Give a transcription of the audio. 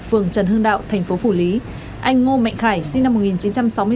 phường trần hưng đạo thành phố phủ lý anh ngô mạnh khải sinh năm một nghìn chín trăm sáu mươi sáu